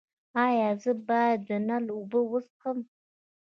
ایا زه باید د نل اوبه وڅښم؟